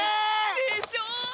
でしょ！？